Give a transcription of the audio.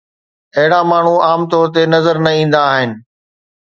اهڙا ماڻهو عام طور تي نظر نه ايندا آهن